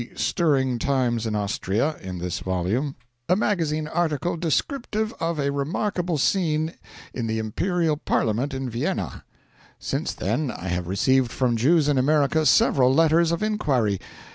CONCERNING THE JEWS Some months ago I published a magazine article(1) descriptive of a remarkable scene in the Imperial Parliament in Vienna. Since then I have received from Jews in America several letters of inquiry.